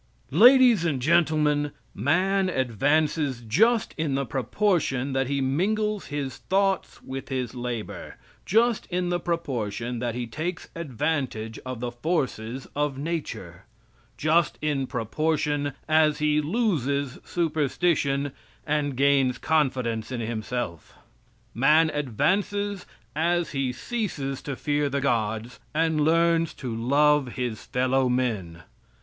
Ladies and Gentlemen: Man advances just in the proportion that he mingles his thoughts with his labor just in the proportion that he takes advantage of the forces of nature; just in proportion as he loses superstition and gains confidence in himself. Man advances as he ceases to fear the gods and learns to love his fellow men.